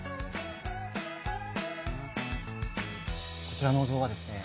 こちらのお像はですね